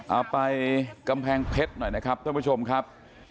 เอาไปกำแพงเพชรหน่อยนะครับท่านผู้ชมครับ